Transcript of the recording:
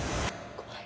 怖い！